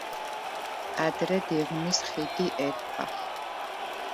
ადრე დიღმის ხიდი ერქვა.